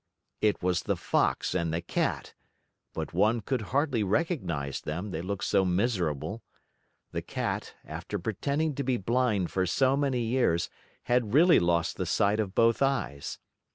It was the Fox and the Cat, but one could hardly recognize them, they looked so miserable. The Cat, after pretending to be blind for so many years had really lost the sight of both eyes.